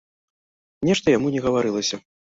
Нешта яму не гаварылася.